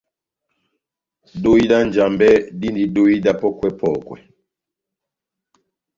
Dohi dá Njambɛ díndi dóhi dá pɔ́kwɛ-pɔkwɛ.